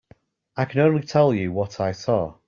I can only tell you what I saw.